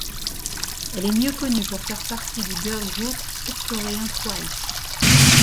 Elle est mieux connue pour faire partie du girl group sud-coréen Twice.